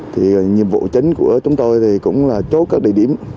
thì nhiệm vụ chính của chúng tôi thì cũng là chốt các địa điểm